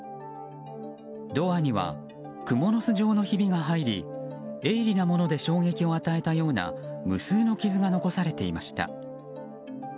ドアにはクモの巣状のひびが入り鋭利なもので衝撃を与えたような無数の傷が残されていました。